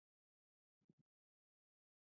ادبیات د ملت د روح روح دی.